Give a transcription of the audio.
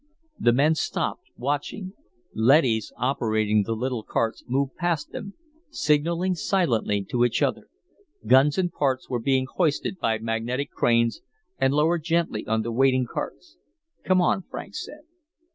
The men stopped, watching. Leadys operating the little carts moved past them, signaling silently to each other. Guns and parts were being hoisted by magnetic cranes and lowered gently onto waiting carts. "Come on," Franks said.